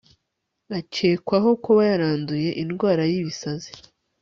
akekwaho kuba yaranduye indwara y ibisazi